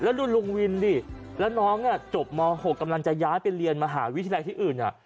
แล้วดูลุงวินดิแล้วน้องจบม๖กำลังจะย้ายไปเรียนมหาวิทยาลัยที่อื่น